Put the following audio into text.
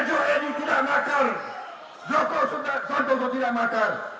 tejo edy tidak makar